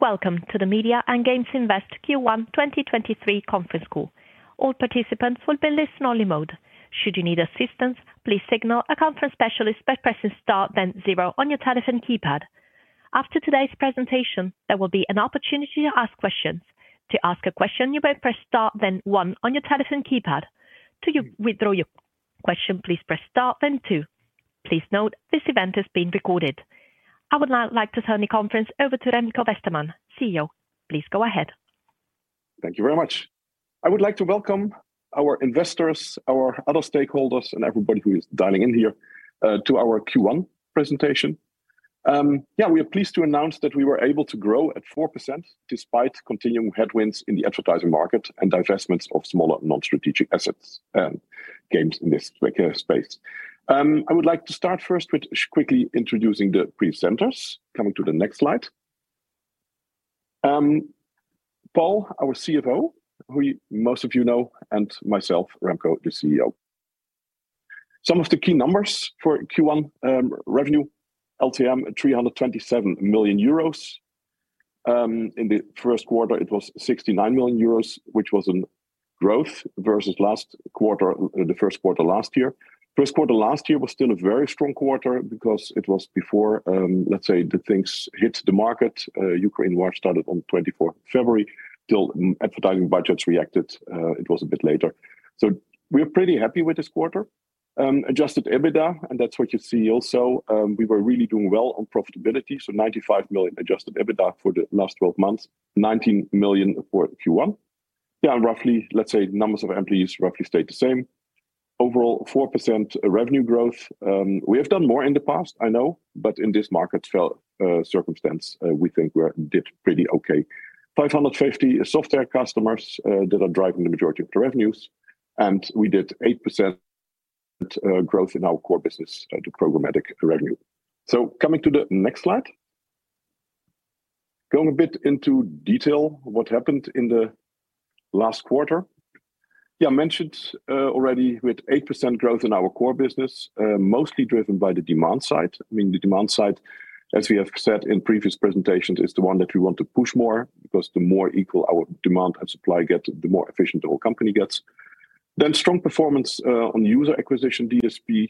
Welcome to the Media and Games Invest Q1 2023 conference call. All participants will be in listen-only mode. Should you need assistance, please signal a conference specialist by pressing star then zero on your telephone keypad. After today's presentation, there will be an opportunity to ask questions. To ask a question, you may press star, then one on your telephone keypad. To withdraw your question, please press star then two. Please note, this event is being recorded. I would now like to turn the conference over to Remco Westermann, CEO. Please go ahead. Thank you very much. I would like to welcome our investors, our other stakeholders, and everybody who is dialing in here, to our Q1 presentation. Yeah, we are pleased to announce that we were able to grow at 4% despite continuing headwinds in the advertising market and divestments of smaller, non-strategic assets and games in this quicker space. I would like to start first with quickly introducing the presenters. Coming to the next slide. Paul, our CFO, who most of you know, and myself, Remco, the CEO. Some of the key numbers for Q1, revenue LTM, 327 million euros. In the first quarter, it was 69 million euros, which was a growth versus last quarter, the first quarter last year. First quarter last year was still a very strong quarter because it was before, let's say, the things hit the market. Ukraine war started on 24th February, till advertising budgets reacted, it was a bit later. We're pretty happy with this quarter. Adjusted EBITDA, and that's what you see also, we were really doing well on profitability, so 95 million adjusted EBITDA for the last 12 months, 19 million for Q1. Roughly, let's say, numbers of employees roughly stayed the same. Overall, 4% revenue growth. We have done more in the past, I know, but in this market fell, circumstance, we did pretty okay. 550 software customers that are driving the majority of the revenues, and we did 8% growth in our core business, the programmatic revenue. Coming to the next slide. Going a bit into detail, what happened in the last quarter. Yeah, I mentioned already with 8% growth in our core business, mostly driven by the demand side. I mean, the demand side, as we have said in previous presentations, is the one that we want to push more, because the more equal our demand and supply get, the more efficient our company gets. Strong performance on user acquisition DSP,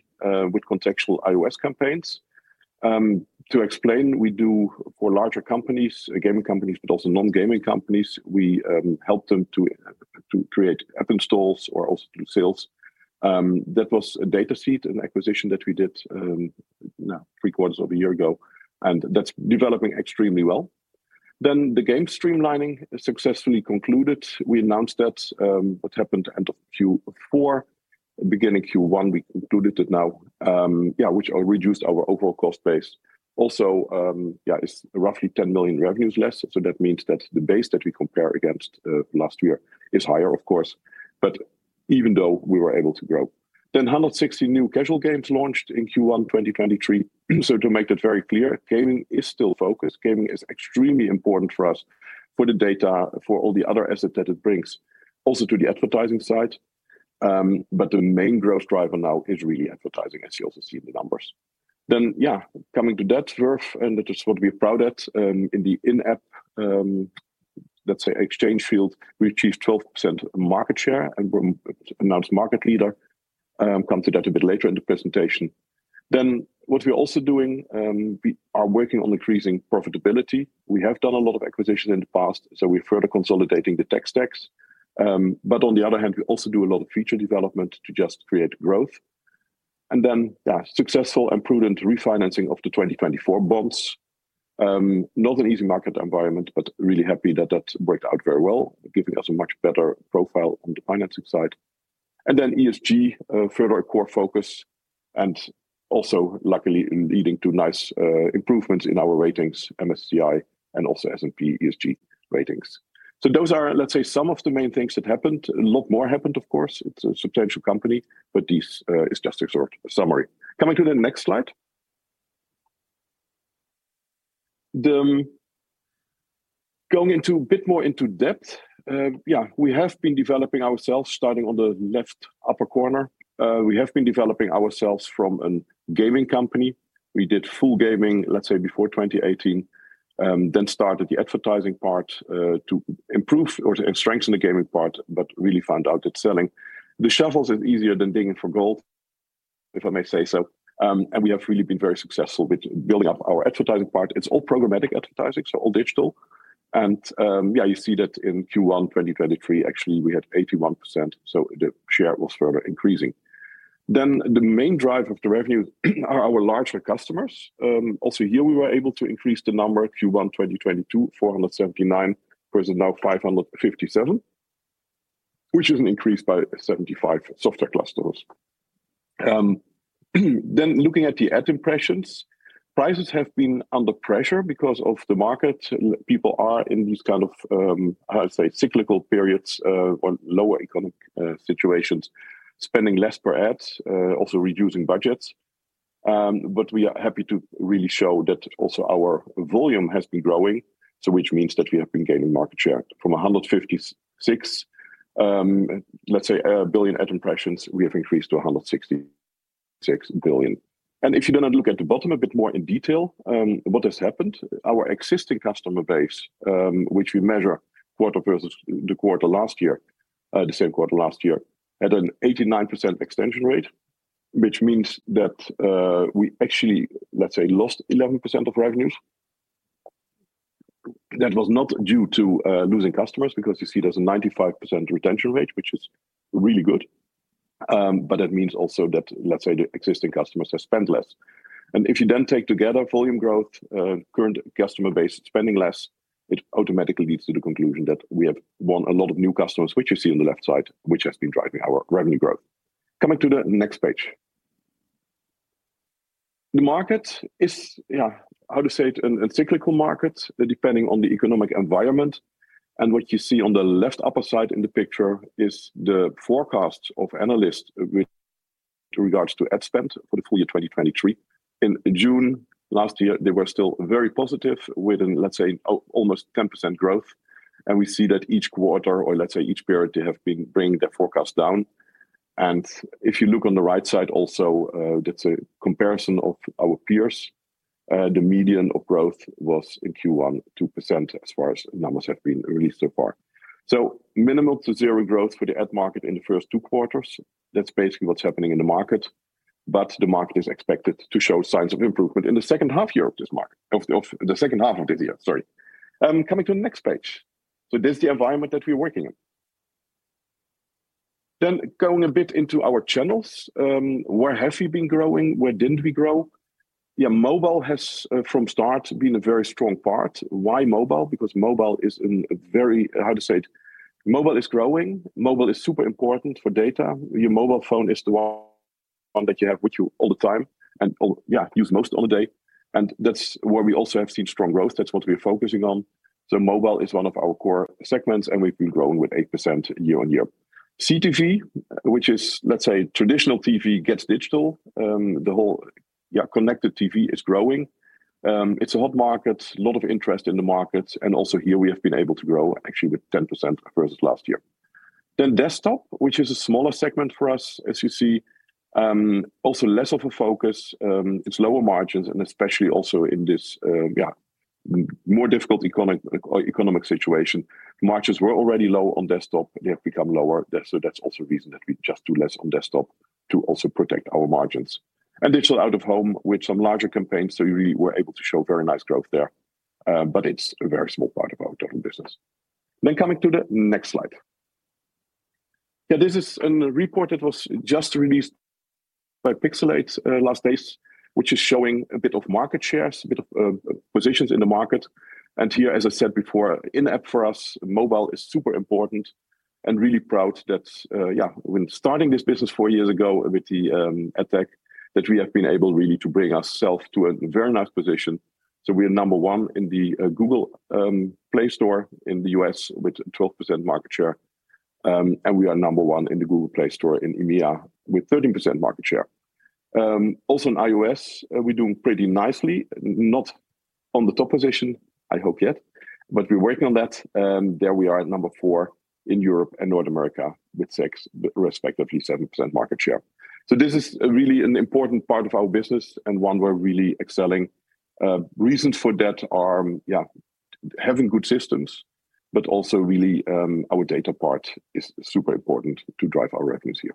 with contextual iOS campaigns. To explain, we do for larger companies, gaming companies, but also non-gaming companies, we help them to create app installs or also do sales. That was a Dataseat, an acquisition that we did now, three quarters of a year ago, and that's developing extremely well. The game streamlining successfully concluded. We announced that, what happened end of Q4, beginning Q1, we concluded it now, which reduced our overall cost base. It's roughly 10 million revenues less, so that means that the base that we compare against last year is higher, of course, but even though we were able to grow. 160 new casual games launched in Q1 2023. To make that very clear, gaming is still focused. Gaming is extremely important for us, for the data, for all the other assets that it brings, also to the advertising side. The main growth driver now is really advertising, as you also see in the numbers. Yeah, coming to that growth, and that is what we're proud at, in the in-app, let's say, exchange field, we achieved 12% market share and we're announced market leader. Come to that a bit later in the presentation. What we're also doing, we are working on increasing profitability. We have done a lot of acquisition in the past, so we're further consolidating the tech stacks. On the other hand, we also do a lot of feature development to just create growth. Yeah, successful and prudent refinancing of the 2024 bonds. Not an easy market environment, but really happy that that worked out very well, giving us a much better profile on the financing side. Then ESG, further a core focus, and also luckily, leading to nice improvements in our ratings, MSCI and also S&P ESG ratings. Those are, let's say, some of the main things that happened. A lot more happened, of course, it's a substantial company, but this is just a short summary. Coming to the next slide. Going into a bit more into depth, yeah, we have been developing ourselves, starting on the left upper corner. We have been developing ourselves from a gaming company. We did full gaming, let's say, before 2018, then started the advertising part to improve or to strengthen the gaming part, but really found out that selling the shovels is easier than digging for gold, if I may say so. We have really been very successful with building up our advertising part. It's all programmatic advertising, so all digital. Yeah, you see that in Q1 2023, actually, we had 81%, so the share was further increasing. The main drive of the revenue are our larger customers. Also here, we were able to increase the number Q1 2022, 479, versus now 557, which is an increase by 75 software clusters. Looking at the ad impressions, prices have been under pressure because of the market. People are in these kind of, I would say, cyclical periods, or lower economic situations, spending less per ads, also reducing budgets. We are happy to really show that also our volume has been growing, which means that we have been gaining market share from 156 billion ad impressions, we have increased to 166 billion. If you look at the bottom a bit more in detail, what has happened? Our existing customer base, which we measure quarter versus the quarter last year, the same quarter last year, had an 89% extension rate, which means that we actually lost 11% of revenues. That was not due to losing customers, because you see there's a 95% retention rate, which is really good. That means also that the existing customers have spent less. If you then take together volume growth, current customer base spending less, it automatically leads to the conclusion that we have won a lot of new customers, which you see on the left side, which has been driving our revenue growth. Coming to the next page. The market is, how to say it, a cyclical market, depending on the economic environment. What you see on the left upper side in the picture is the forecast of analysts with regards to ad spend for the full year 2023. In June last year, they were still very positive with, let's say, almost 10% growth. We see that each quarter, or let's say each period, they have been bringing their forecast down. If you look on the right side also, that's a comparison of our peers. The median of growth was in Q1, 2%, as far as numbers have been released so far. Minimal to zero growth for the ad market in the first two quarters. That's basically what's happening in the market. The market is expected to show signs of improvement in the second half of this year, sorry. Coming to the next page. This is the environment that we're working in. Going a bit into our channels, where have we been growing? Where didn't we grow? Mobile has, from start, been a very strong part. Why mobile? Because mobile is in a very... How to say it? Mobile is growing. Mobile is super important for data. Your mobile phone is the one that you have with you all the time, yeah, use most of the day, and that's where we also have seen strong growth. That's what we're focusing on. Mobile is one of our core segments, and we've been growing with 8% year-over-year. CTV, which is, let's say, traditional TV gets digital, the whole, yeah, connected TV is growing. It's a hot market, a lot of interest in the market, and also here we have been able to grow actually with 10% versus last year. Desktop, which is a smaller segment for us, as you see, also less of a focus. It's lower margins, and especially also in this, yeah, more difficult economic situation. Margins were already low on desktop, they have become lower. That's also a reason that we just do less on desktop to also protect our margins. Digital out-of-home, with some larger campaigns, so we were able to show very nice growth there, but it's a very small part of our total business. Coming to the next slide. Yeah, this is an report that was just released by Pixalate last days, which is showing a bit of market shares, a bit of positions in the market. Here, as I said before, in-app for us, mobile is super important and really proud that, yeah, when starting this business four years ago with the ad-tech, that we have been able really to bring ourself to a very nice position. We are number one in the Google Play Store in the U.S., with 12% market share, and we are number one in the Google Play Store in EMEA, with 13% market share. Also in iOS, we're doing pretty nicely, not on the top position, I hope yet, but we're working on that. There we are at number four in Europe and North America, with 6%, respectively, 7% market share. This is a really an important part of our business and one we're really excelling. Reasons for that are, yeah, having good systems, but also really, our data part is super important to drive our revenues here.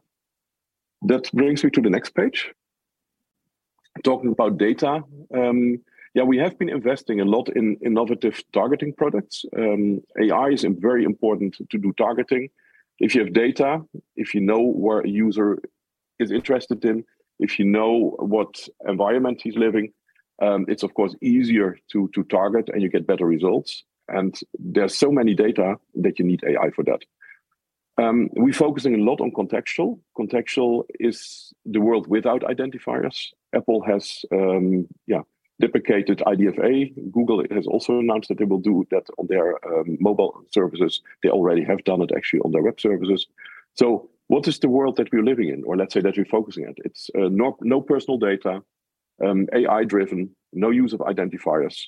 That brings me to the next page. Talking about data, yeah, we have been investing a lot in innovative targeting products. AI is very important to do targeting. If you have data, if you know what a user is interested in, if you know what environment he's living, it's of course easier to target and you get better results. There's so many data that you need AI for that. We're focusing a lot on contextual. Contextual is the world without identifiers. Apple has, yeah, deprecated IDFA. Google has also announced that they will do that on their mobile services. They already have done it, actually, on their web services. What is the world that we're living in, or let's say, that we're focusing on? It's no personal data, AI-driven, no use of identifiers,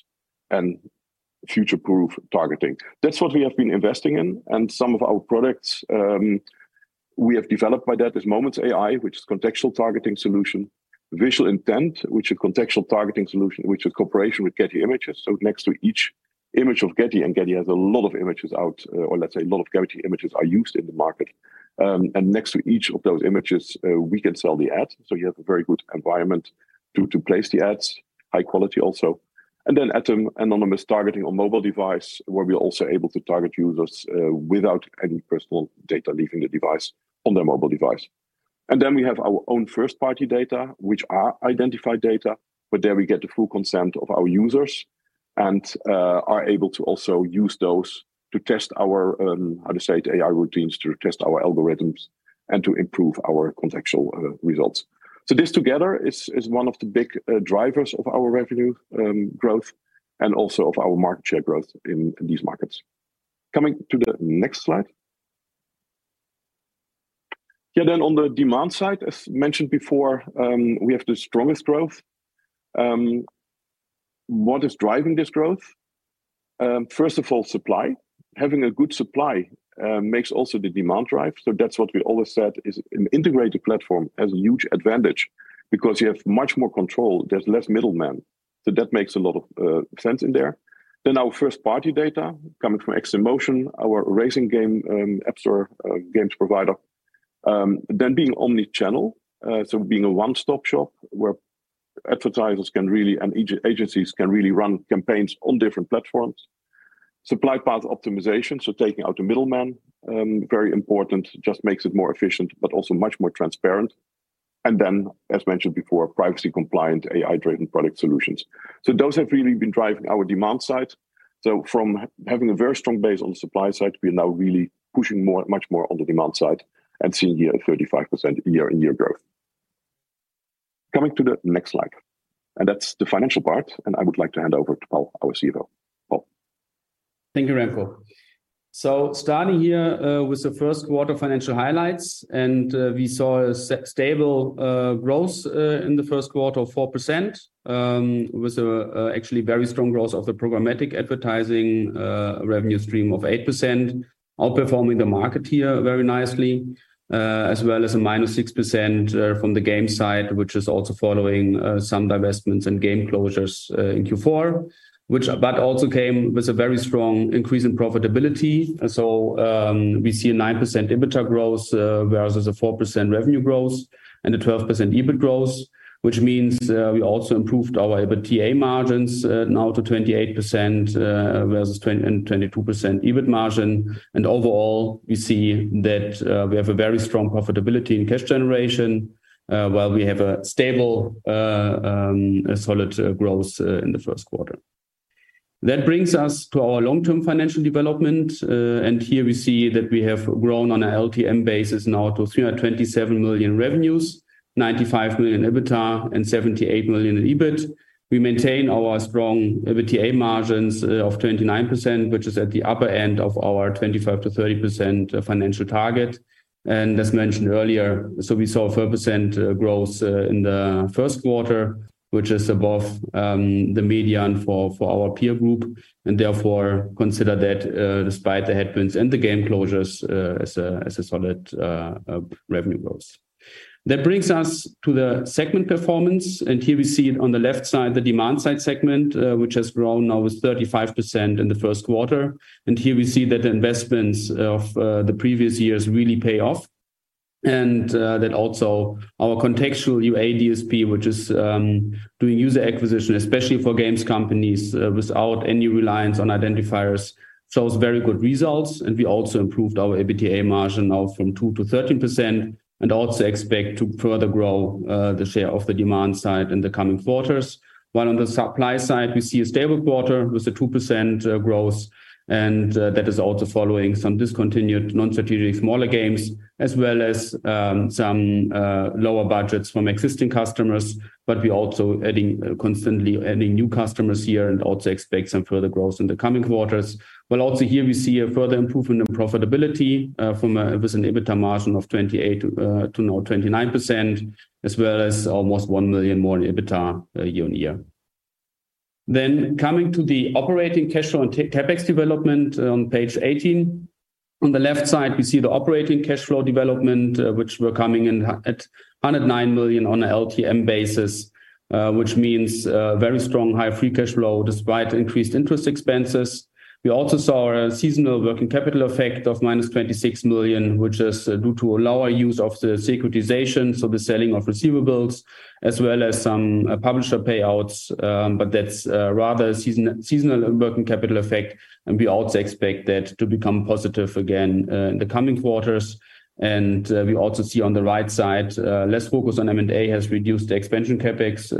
and future-proof targeting. That's what we have been investing in, and some of our products, we have developed by that is Moments AI, which is contextual targeting solution. Visual Intent, which is contextual targeting solution, which is cooperation with Getty Images. Next to each image of Getty, and Getty has a lot of images out, or let's say a lot of Getty Images are used in the market. Next to each of those images, we can sell the ad, so you have a very good environment to place the ads, high quality also. At anonymous targeting on mobile device, where we are also able to target users, without any personal data leaving the device on their mobile device. We have our own first-party data, which are identified data, but there we get the full consent of our users and are able to also use those to test our how to say it, AI routines, to test our algorithms and to improve our contextual results. This together is one of the big drivers of our revenue growth and also of our market share growth in these markets. Coming to the next slide. On the demand side, as mentioned before, we have the strongest growth. What is driving this growth? First of all, supply. Having a good supply makes also the demand drive. That's what we always said is an integrated platform has a huge advantage because you have much more control, there's less middlemen. That makes a lot of sense in there. Our first-party data coming from AxesInMotion, our racing game, App Store, games provider. Being omnichannel, so being a one-stop shop where advertisers can really and agencies can really run campaigns on different platforms. Supply path optimization, so taking out the middleman, very important, just makes it more efficient, but also much more transparent. As mentioned before, privacy compliant, AI-driven product solutions. Those have really been driving our demand side. From having a very strong base on the supply side, we are now really pushing more, much more on the demand side and seeing a 35% year-on-year growth. Coming to the next slide, and that's the financial part, and I would like to hand over to Paul, our CFO. Paul? Thank you, Remco. Starting here with the first quarter financial highlights. We saw a stable growth in the first quarter of 4%, with actually very strong growth of the programmatic advertising revenue stream of 8%, outperforming the market here very nicely, as well as a -6% from the game side, which is also following some divestments and game closures in Q4. Which but also came with a very strong increase in profitability. We see a 9% EBITDA growth versus a 4% revenue growth and a 12% EBIT growth, which means we also improved our EBITDA margins now to 28% versus 22% EBIT margin. Overall, we see that we have a very strong profitability in cash generation, while we have a stable, solid growth in the first quarter. That brings us to our long-term financial development, here we see that we have grown on an LTM basis now to 327 million revenues, 95 million in EBITDA, and 78 million in EBIT. We maintain our strong EBITDA margins of 29%, which is at the upper end of our 25%-30% financial target. As mentioned earlier, we saw 4% growth in the first quarter, which is above the median for our peer group, and therefore, consider that despite the headwinds and the game closures, as a solid revenue growth. That brings us to the segment performance. Here we see it on the left side, the demand side segment, which has grown now with 35% in the first quarter. Here we see that the investments of the previous years really pay off. That also our contextual UAD DSP, which is doing user acquisition, especially for games companies, without any reliance on identifiers, shows very good results. We also improved our EBITDA margin now from 2%-13%, and also expect to further grow the share of the demand side in the coming quarters. On the supply side, we see a stable quarter with a 2% growth, and that is also following some discontinued, non-strategic smaller games, as well as some lower budgets from existing customers. We also adding, constantly adding new customers here and also expect some further growth in the coming quarters. Also here, we see a further improvement in profitability with an EBITDA margin of 28% to now 29%, as well as almost 1 million more in EBITDA year on year. Coming to the operating cash flow and CapEx development on page 18. On the left side, we see the operating cash flow development which we're coming in at 109 million on a LTM basis, which means very strong high free cash flow, despite increased interest expenses. We also saw a seasonal working capital effect of -26 million, which is due to a lower use of the securitization, so the selling of receivables, as well as some publisher payouts, but that's rather seasonal working capital effect, and we also expect that to become positive again in the coming quarters. We also see on the right side, less focus on M&A has reduced the expansion CapEx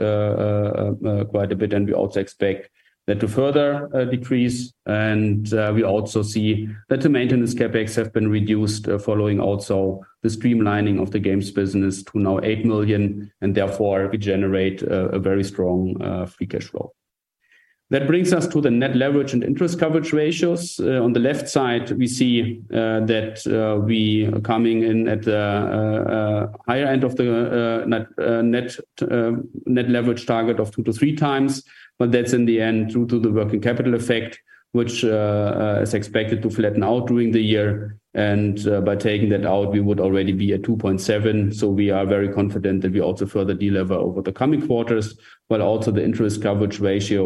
quite a bit, and we also expect that to further decrease. We also see that the maintenance CapEx have been reduced, following also the streamlining of the games business to now 8 million, and therefore we generate a very strong free cash flow. That brings us to the net leverage and interest coverage ratios. On the left side, we see that we are coming in at the higher end of the net leverage target of 2x to 3x, that's in the end, due to the working capital effect, which is expected to flatten out during the year. By taking that out, we would already be at 2.7. We are very confident that we also further delever over the coming quarters, but also the interest coverage ratio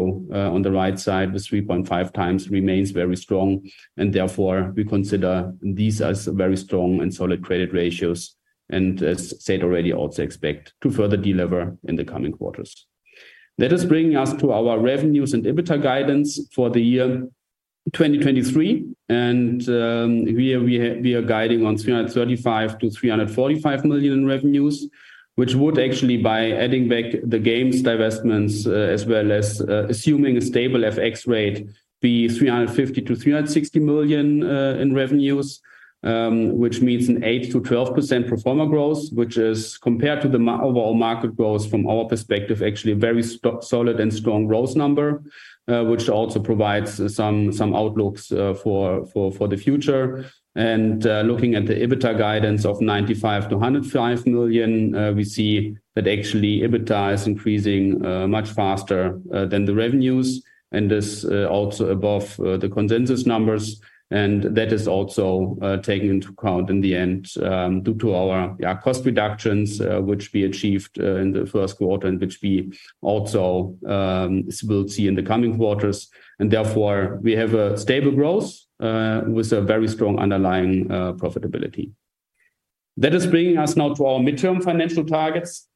on the right side, the 3.5x remains very strong, therefore we consider these as very strong and solid credit ratios, as said already, also expect to further delever in the coming quarters. That is bringing us to our revenues and EBITDA guidance for the year 2023, and we are guiding on 335 million-345 million in revenues, which would actually, by adding back the games divestments, as well as assuming a stable FX rate, be 350 million-360 million in revenues, which means an 8%-12% pro forma growth, which is compared to the overall market growth from our perspective, actually a very solid and strong growth number, which also provides some outlooks for the future. Looking at the EBITDA guidance of 95 million-105 million, we see that actually EBITDA is increasing much faster than the revenues, and is also above the consensus numbers. That is also taken into account in the end due to our cost reductions which we achieved in the first quarter and which we also will see in the coming quarters. Therefore, we have a stable growth with a very strong underlying profitability. That is bringing us now to our midterm financial targets.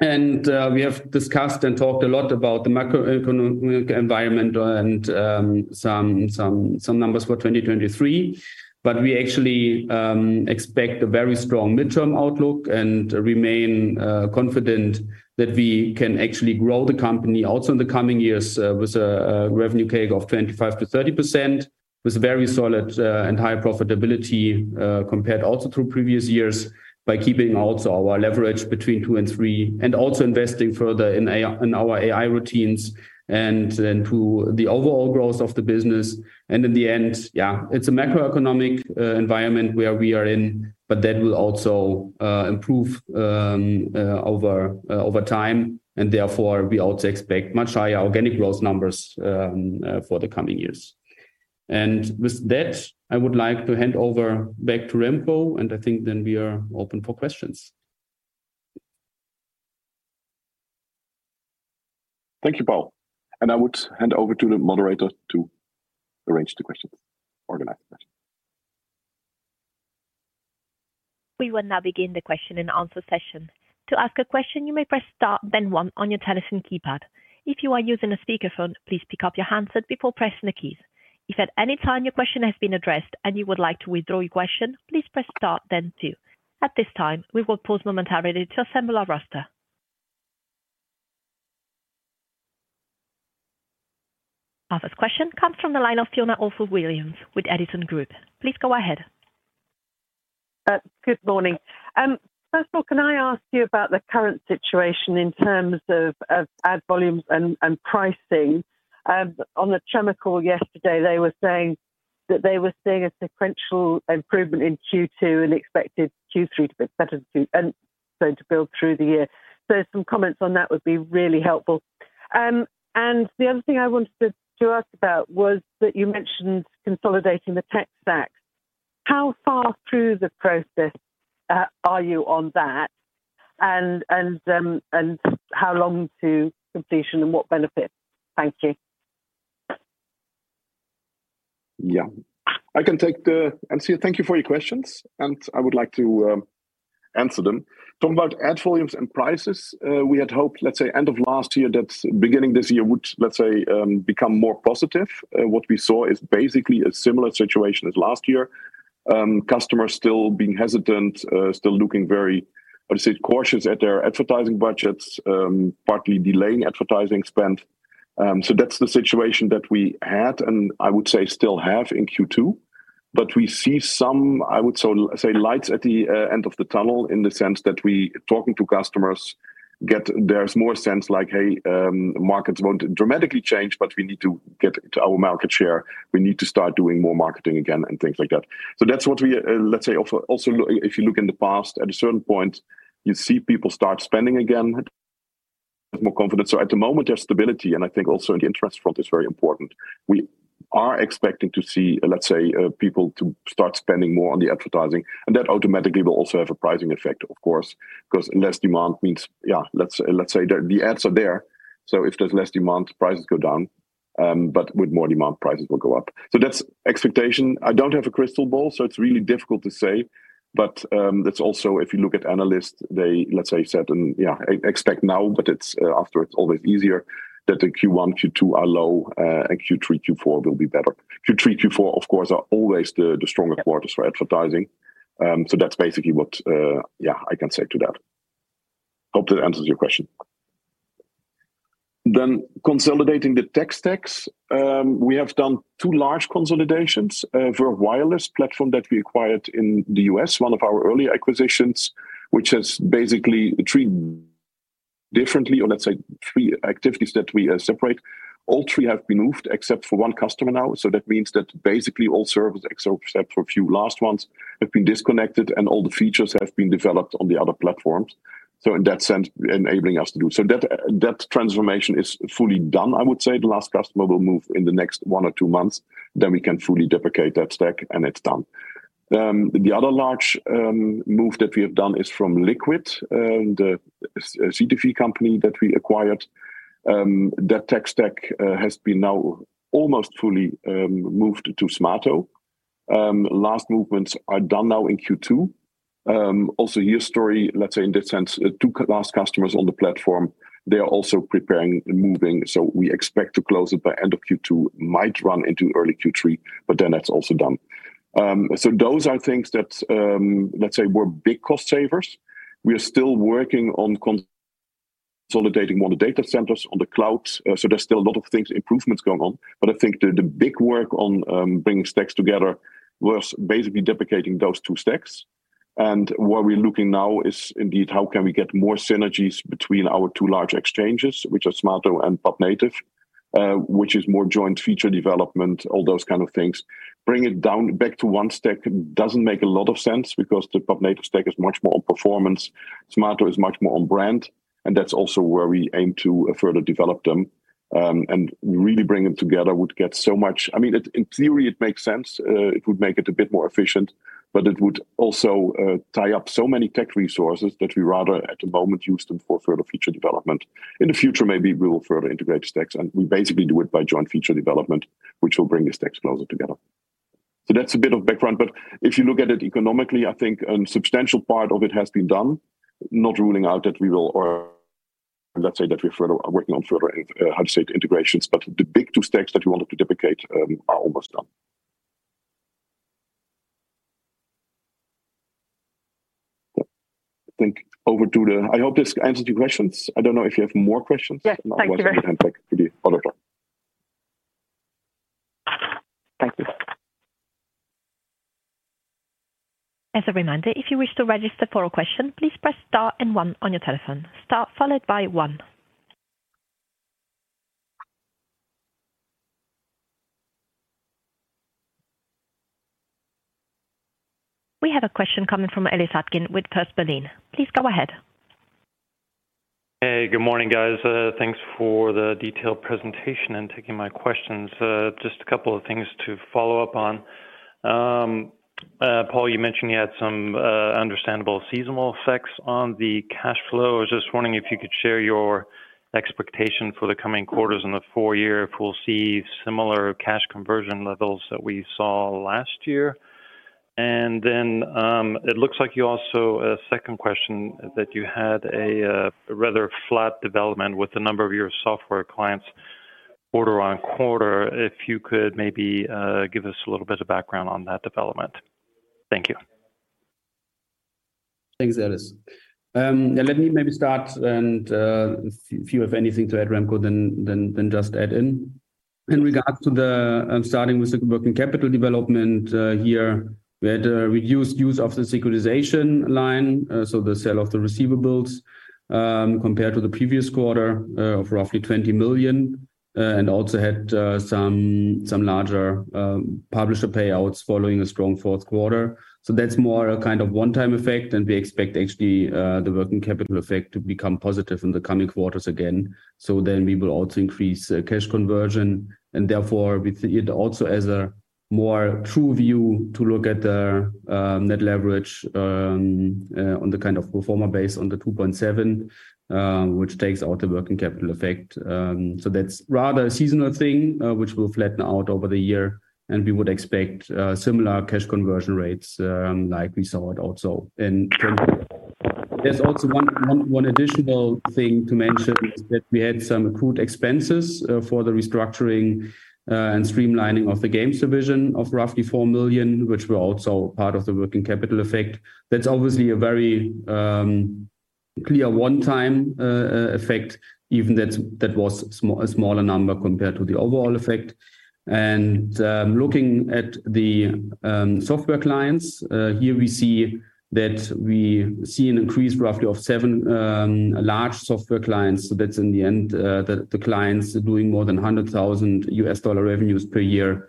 We have discussed and talked a lot about the macroeconomic environment and some numbers for 2023. We actually expect a very strong midterm outlook and remain confident that we can actually grow the company also in the coming years, with a revenue CAGR of 25%-30%, with very solid and high profitability compared also to previous years, by keeping also our leverage between two and three, and also investing further in our AI routines and then to the overall growth of the business. In the end, yeah, it's a macroeconomic environment where we are in, but that will also improve over time, and therefore, we also expect much higher organic growth numbers for the coming years. With that, I would like to hand over back to Remco, and I think then we are open for questions. Thank you, Paul. I would hand over to the moderator to arrange the questions, organize the questions. We will now begin the question and answer session. To ask a question, you may press star then one on your telephone keypad. If you are using a speakerphone, please pick up your handset before pressing the keys. If at any time your question has been addressed and you would like to withdraw your question, please press star then two. At this time, we will pause momentarily to assemble our roster. Our first question comes from the line of Fiona Orford-Williams with Edison Group. Please go ahead. Good morning. First of all, can I ask you about the current situation in terms of ad volumes and pricing? On the Tremor call yesterday, they were saying that they were seeing a sequential improvement in Q2 and expected Q3 to be better too, and so to build through the year. Some comments on that would be really helpful. The other thing I wanted to ask about was that you mentioned consolidating the tech stack. How far through the process are you on that? How long to completion and what benefits? Thank you. Yeah. I can take. Thank you for your questions, and I would like to answer them. Talking about ad volumes and prices, we had hoped, let's say, end of last year, that beginning this year would, let's say, become more positive. What we saw is basically a similar situation as last year. Customers still being hesitant, still looking very, I would say, cautious at their advertising budgets, partly delaying advertising spend. That's the situation that we had, and I would say still have in Q2. We see some, I would so say, lights at the end of the tunnel in the sense that we talking to customers, get there's more sense like, "Hey, markets won't dramatically change, but we need to get to our market share. We need to start doing more marketing again," and things like that. That's what we, let's say, also, if you look in the past, at a certain point, you see people start spending again, have more confidence. At the moment, there's stability, and I think also in the interest front is very important. We are expecting to see, let's say, people to start spending more on the advertising, and that automatically will also have a pricing effect, of course, because less demand means, yeah, let's say the ads are there. If there's less demand, prices go down, but with more demand, prices will go up. That's expectation. I don't have a crystal ball, so it's really difficult to say. That's also, if you look at analysts, they, let's say, said, and yeah, expect now, but it's after it's always easier, that the Q1, Q2 are low, and Q3, Q4 will be better. Q3, Q4, of course, are always the stronger quarters for advertising. That's basically what, yeah, I can say to that. Hope that answers your question. Consolidating the tech stacks, we have done two large consolidations for a wireless platform that we acquired in the U.S., one of our early acquisitions, which has basically treated differently or let's say three activities that we separate. All three have been moved except for one customer now. That means that basically all services, except for a few last ones, have been disconnected and all the features have been developed on the other platforms. In that sense, that transformation is fully done, I would say. The last customer will move in the next one or two months, then we can fully deprecate that stack and it's done. The other large move that we have done is from LKQD, the CTV company that we acquired. That tech stack has been now almost fully moved to Smaato. Last movements are done now in Q2. Also here story, let's say in that sense, two last customers on the platform, they are also preparing and moving, so we expect to close it by end of Q2, might run into early Q3. That's also done. Those are things that, let's say, were big cost savers. We are still working on consolidating more the data centers on the cloud. There's still a lot of things, improvements going on, but I think the big work on bringing stacks together was basically deprecating those two stacks. What we're looking now is indeed, how can we get more synergies between our two large exchanges, which are Smaato and PubNative, which is more joint feature development, all those kind of things. Bringing it down back to one stack doesn't make a lot of sense because the PubNative stack is much more on performance, Smaato is much more on brand, and that's also where we aim to further develop them. Really bring them together would get so much I mean, in theory, it makes sense. It would make it a bit more efficient, but it would also tie up so many tech resources that we rather, at the moment, use them for further feature development. In the future, maybe we will further integrate stacks, and we basically do it by joint feature development, which will bring the stacks closer together. That's a bit of background, but if you look at it economically, I think a substantial part of it has been done, not ruling out that we will or let's say that we're further, working on further, how to say it, integrations. The big two stacks that we wanted to duplicate are almost done. I think I hope this answers your questions. I don't know if you have more questions? Yes, thank you very much. Back to the other one. Thank you. As a reminder, if you wish to register for a question, please press star and one on your telephone. Star followed by one. We have a question coming from Ellis Acklin with First Berlin. Please go ahead. Hey, good morning, guys. Thanks for the detailed presentation and taking my questions. Just a couple of things to follow up on. Paul, you mentioned you had some understandable seasonal effects on the cash flow. I was just wondering if you could share your expectation for the coming quarters in the four year, if we'll see similar cash conversion levels that we saw last year. Then, it looks like you also, a second question, that you had a rather flat development with a number of your software clients quarter-on-quarter. If you could maybe give us a little bit of background on that development. Thank you. Thanks, Ellis. Let me maybe start and if you have anything to add, Remco, just add in. In regards to the starting with the working capital development, here, we had a reduced use of the securitization line, so the sale of the receivables, compared to the previous quarter, of roughly 20 million. Also had some larger publisher payouts following a strong fourth quarter. That's more a kind of one-time effect, and we expect actually the working capital effect to become positive in the coming quarters again. We will also increase cash conversion and therefore with it also as a more true view to look at the net leverage on the kind of pro forma base on the 2.7, which takes out the working capital effect. That's rather a seasonal thing, which will flatten out over the year, and we would expect similar cash conversion rates like we saw it also in 20. There's also one additional thing to mention, is that we had some accrued expenses for the restructuring and streamlining of the games division of roughly 4 million, which were also part of the working capital effect. That's obviously a very clear one-time effect, even that was a smaller number compared to the overall effect. Looking at the software clients, here we see that we see an increase roughly of 7 large software clients. That's in the end, the clients doing more than $100,000 US dollar revenues per year,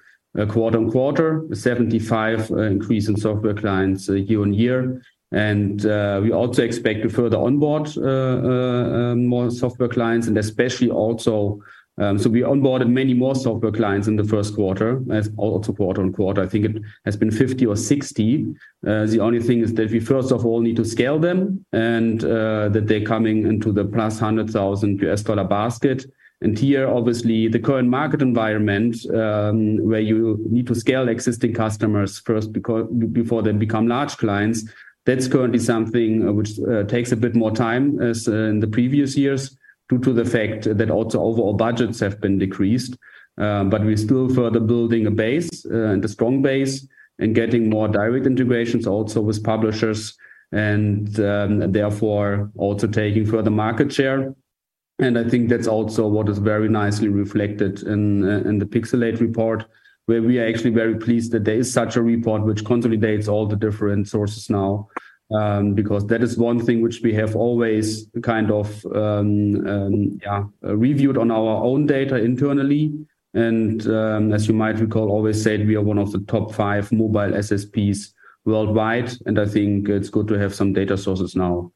quarter-on-quarter, 75 increase in software clients year-on-year. We also expect to further onboard more software clients and especially also we onboarded many more software clients in the first quarter as also quarter-on-quarter. I think it has been 50 or 60. The only thing is that we first of all, need to scale them and that they're coming into the $100,000+ USD basket. Here, obviously, the current market environment, where you need to scale existing customers first, because before they become large clients, that's currently something which takes a bit more time as in the previous years, due to the fact that also overall budgets have been decreased. We're still further building a base, and a strong base, and getting more direct integrations also with publishers and, therefore, also taking further market share. I think that's also what is very nicely reflected in the Pixalate report, where we are actually very pleased that there is such a report which consolidates all the different sources now. That is one thing which we have always kind of, yeah, reviewed on our own data internally. As you might recall, always said, we are one of the top five mobile SSPs worldwide, and I think it's good to have some data sources now,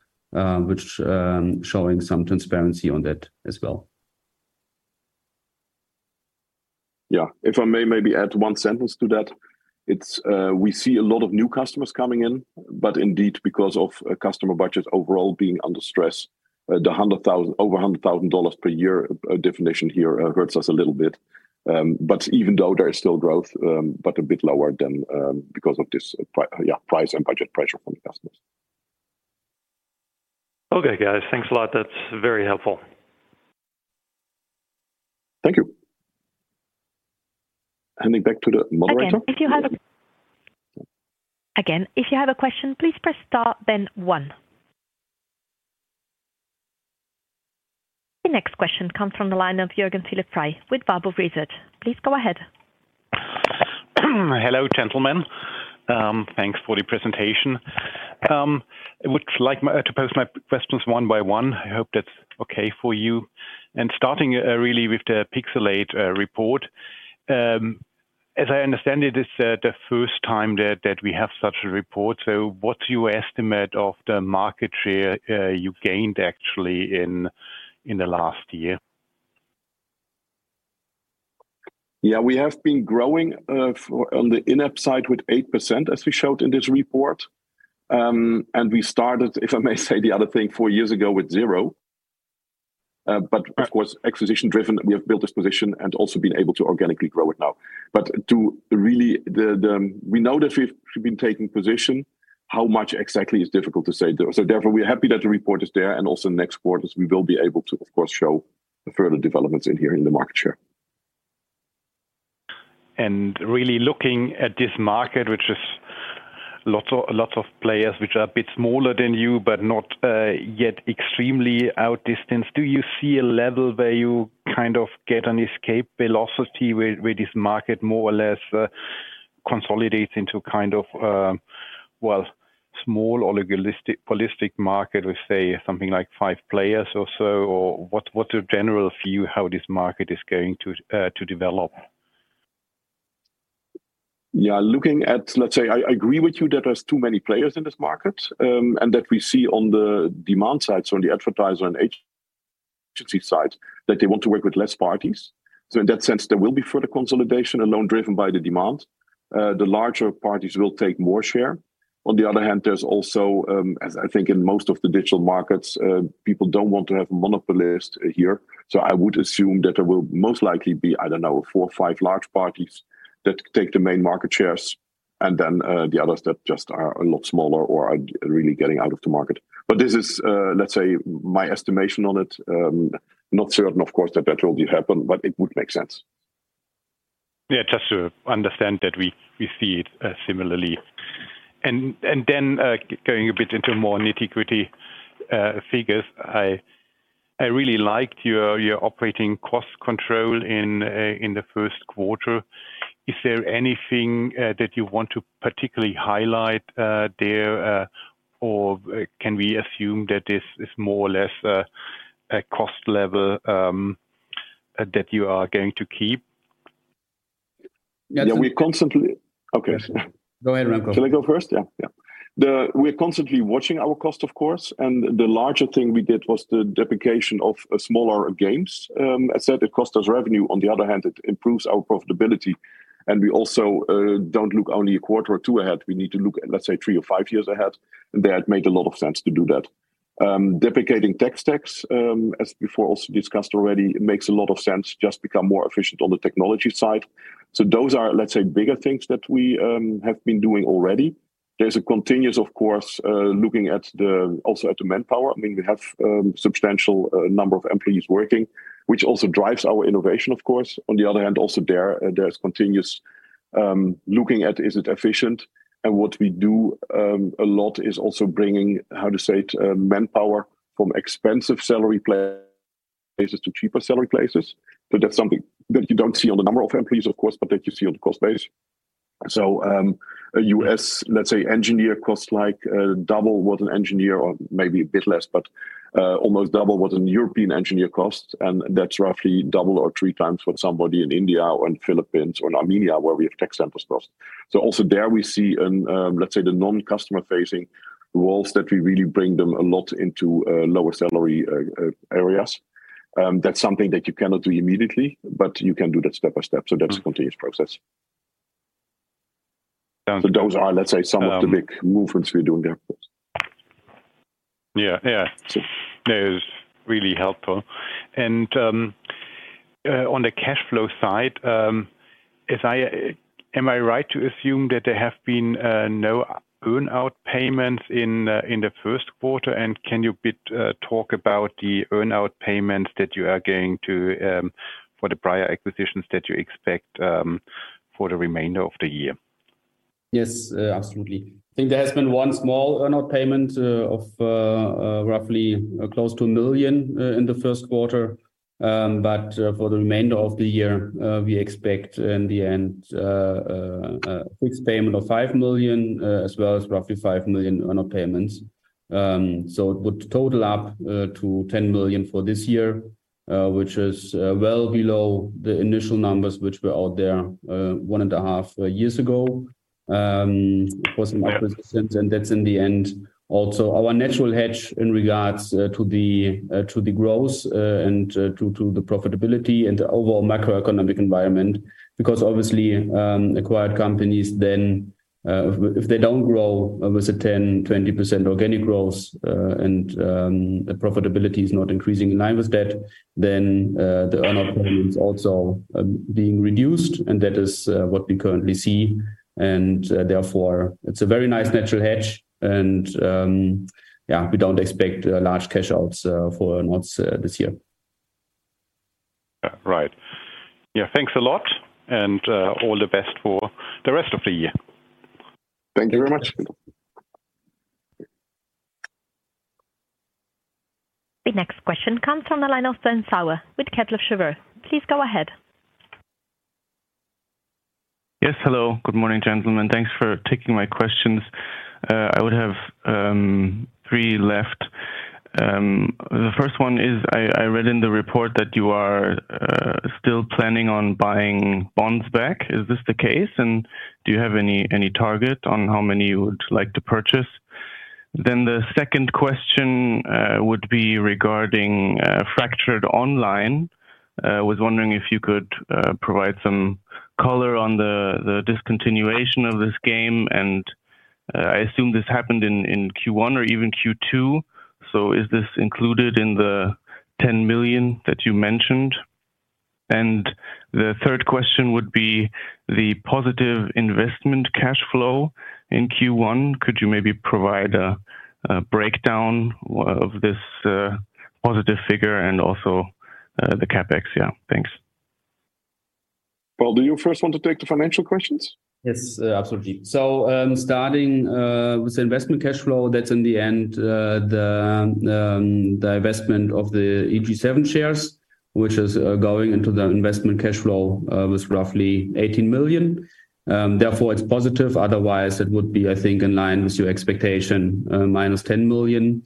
which showing some transparency on that as well. If I may maybe add one sentence to that. It's, we see a lot of new customers coming in, indeed, because of customer budgets overall being under stress, the over $100,000 per year definition here hurts us a little bit. Even though there is still growth, a bit lower than because of this price and budget pressure from the customers. Okay, guys. Thanks a lot. That's very helpful. Thank you. Handing back to the moderator. Again, if you have a question, please press Star, then 1. The next question comes from the line of Juergen-Philipp Frey with Baader Bank. Please go ahead. Hello, gentlemen. Thanks for the presentation. I would like to pose my questions one by one. I hope that's okay for you. Starting really with the Pixalate report. As I understand it's the first time that we have such a report. What's your estimate of the market share you gained actually in the last year? Yeah, we have been growing, for, on the in-app side with 8%, as we showed in this report. We started, if I may say, the other thing, four years ago with 0. Of course, acquisition driven, we have built this position and also been able to organically grow it now. To really, the, we know that we've been taking position, how much exactly is difficult to say, though. Therefore, we are happy that the report is there, and also next quarters we will be able to, of course, show the further developments in here in the market share. Really looking at this market, which is lots of players which are a bit smaller than you, but not yet extremely out distanced, do you see a level where you kind of get an escape velocity, where this market more or less consolidates into kind of well, small oligopolistic market with, say, something like five players or so? What's your general view how this market is going to develop? Yeah, looking at Let's say, I agree with you that there's too many players in this market, and that we see on the demand side, so on the advertiser and agency side, that they want to work with less parties. In that sense, there will be further consolidation, alone driven by the demand. The larger parties will take more share. On the other hand, there's also, as I think in most of the digital markets, people don't want to have monopolist here. I would assume that there will most likely be, I don't know, four or five large parties that take the main market shares, and then, the others that just are a lot smaller or are really getting out of the market. This is, let's say, my estimation on it. Not certain, of course, that that will happen, but it would make sense. Yeah, just to understand that we see it similarly. Then going a bit into more nitty-gritty figures, I really liked your operating cost control in the first quarter. Is there anything that you want to particularly highlight there? Can we assume that this is more or less a cost level that you are going to keep? Yeah, we constantly... Okay. Go ahead, Remco. Shall I go first? Yeah, yeah. We're constantly watching our cost, of course, and the larger thing we did was the deprecation of smaller games. As said, it costs us revenue, on the other hand, it improves our profitability. We also don't look only a quarter or two ahead, we need to look at, let's say, three or five years ahead, and that made a lot of sense to do that. Deprecating tech stacks, as before, also discussed already, it makes a lot of sense, just become more efficient on the technology side. Those are, let's say, bigger things that we have been doing already. There's a continuous, of course, looking at the, also at the manpower. I mean, we have substantial number of employees working, which also drives our innovation, of course. On the other hand, also there's continuous looking at is it efficient? What we do a lot is also bringing, how to say it, manpower from expensive salary places to cheaper salary places. That's something that you don't see on the number of employees, of course, but that you see on the cost base. U.S., let's say, engineer costs like double what an engineer or maybe a bit less, but almost double what an European engineer costs, and that's roughly double or 3x what somebody in India or in Philippines or Armenia, where we have tech centers cost. Also there we see an, let's say, the non-customer facing roles that we really bring them a lot into lower salary areas. That's something that you cannot do immediately, but you can do that step by step, so that's a continuous process. Those are, let's say, some of the big movements we're doing there, of course. Yeah. That is really helpful. On the cash flow side, am I right to assume that there have been no earn-out payments in the first quarter? Can you a bit talk about the earn-out payments that you are going to for the prior acquisitions that you expect for the remainder of the year? Yes, absolutely. I think there has been one small earn-out payment, of roughly close to 1 million, in the first quarter. For the remainder of the year, we expect in the end, a fixed payment of 5 million, as well as roughly 5 million earn-out payments. It would total up to 10 million for this year, which is well below the initial numbers, which were out there, one and a half years ago. That's in the end, also our natural hedge in regards, to the growth, and to the profitability and the overall macroeconomic environment. Obviously, acquired companies then, if they don't grow, obviously 10%, 20% organic growth, and the profitability is not increasing in line with that, then the earn-out payment is also being reduced, and that is what we currently see. Therefore, it's a very nice natural hedge, we don't expect large cash outs for earn-outs this year. Right. Yeah, thanks a lot, and all the best for the rest of the year. Thank you very much. The next question comes from the line of Sven Sauer with Kepler Cheuvreux. Please go ahead. Yes, hello. Good morning, gentlemen. Thanks for taking my questions. I would have three left. The first one is, I read in the report that you are still planning on buying bonds back. Is this the case? Do you have any target on how many you would like to purchase? The second question would be regarding Fractured Online. I was wondering if you could provide some color on the discontinuation of this game. I assume this happened in Q1 or even Q2. Is this included in the 10 million that you mentioned? The third question would be the positive investment cash flow in Q1. Could you maybe provide a breakdown of this positive figure and also the CapEx? Yeah, thanks. Paul, do you first want to take the financial questions? Yes, absolutely. Starting with the investment cash flow, that's in the end, the investment of the EG7 shares, which is going into the investment cash flow, was roughly 18 million. Therefore, it's positive. Otherwise, it would be, I think, in line with your expectation, minus 10 million.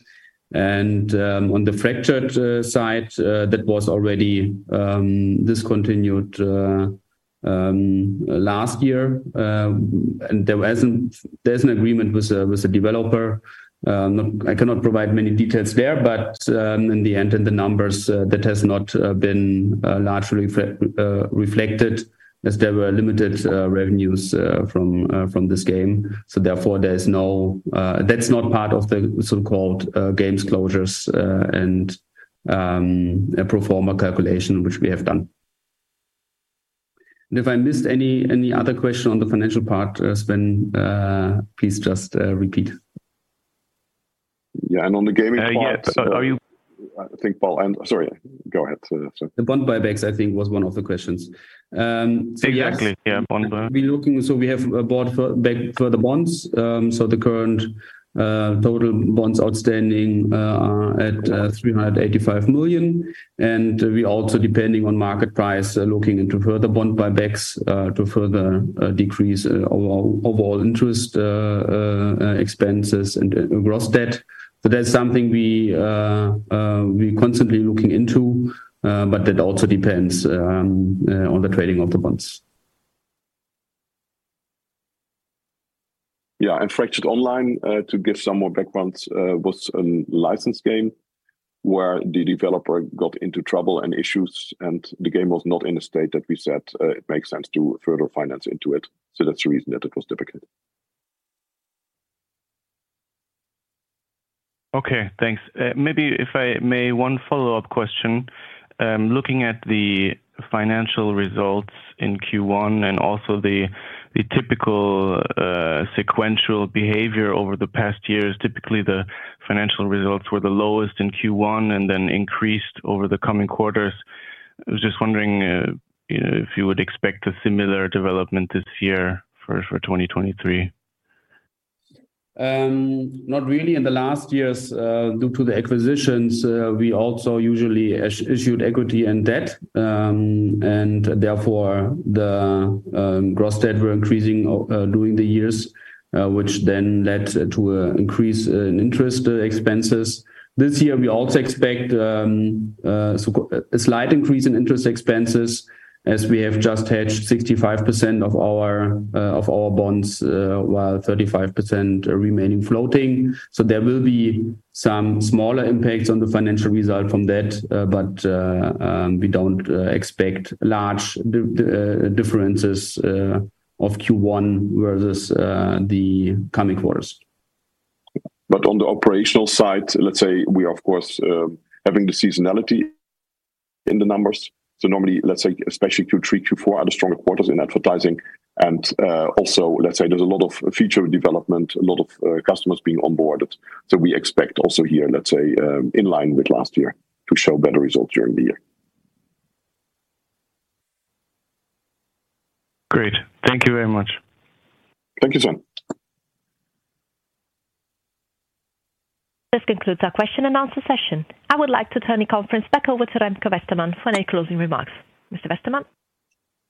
On the Fractured side, that was already discontinued last year. There's an agreement with a, with a developer. I cannot provide many details there, but, in the end, in the numbers, that has not been largely reflected as there were limited revenues from this game. That's not part of the so-called games closures, and a pro forma calculation, which we have done. If I missed any other question on the financial part, Sven, please just repeat. Yeah, on the gaming part. Yes. I think, Paul. Sorry, go ahead, sir. The bond buybacks, I think, was one of the questions. Exactly, yeah, bond buy. We have bought back further bonds. The current total bonds outstanding are at 385 million. We also, depending on market price, are looking into further bond buybacks to further decrease our overall interest expenses and gross debt. That's something we're constantly looking into, but that also depends on the trading of the bonds. Fractured Online, to give some more background, was a licensed game where the developer got into trouble and issues, and the game was not in a state that we said, it makes sense to further finance into it. That's the reason that it was difficult. Thanks. Maybe if I may, one follow-up question. Looking at the financial results in Q1 and also the typical sequential behavior over the past years, typically the financial results were the lowest in Q1 and then increased over the coming quarters. I was just wondering if you would expect a similar development this year for 2023? Not really. In the last years, due to the acquisitions, we also usually issued equity and debt. Therefore, the gross debt were increasing during the years, which then led to an increase in interest expenses. This year, we also expect a slight increase in interest expenses as we have just hedged 65% of our bonds, while 35% remaining floating. There will be some smaller impacts on the financial result from that. We don't expect large differences of Q1 versus the coming quarters. On the operational side, let's say we are, of course, having the seasonality in the numbers. Normally, let's say, especially Q3, Q4, are the stronger quarters in advertising. Also, let's say there's a lot of future development, a lot of customers being onboarded. We expect also here, let's say, in line with last year, to show better results during the year. Great. Thank you very much. Thank you, John. This concludes our question and answer session. I would like to turn the conference back over to Remco Westermann for any closing remarks. Mr. Westermann?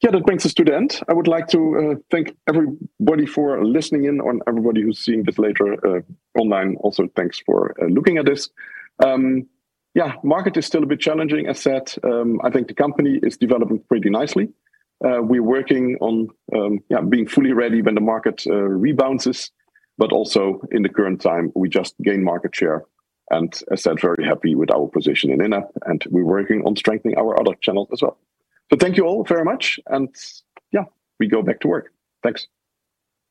Yeah, that brings us to the end. I would like to thank everybody for listening in, and everybody who's seeing this later online, also, thanks for looking at this. Yeah, market is still a bit challenging, as said. I think the company is developing pretty nicely. We're working on, yeah, being fully ready when the market rebound. Also in the current time, we just gain market share, and as said, very happy with our position in in-app, and we're working on strengthening our other channels as well. Thank you all very much. Yeah, we go back to work. Thanks.